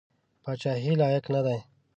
پاچهي لایق نه دی.